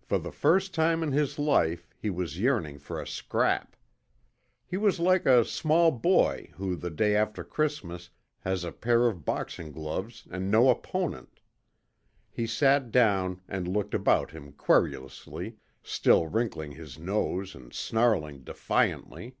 For the first time in his life he was yearning for a scrap. He was like a small boy who the day after Christmas has a pair of boxing gloves and no opponent. He sat down and looked about him querulously, still wrinkling his nose and snarling defiantly.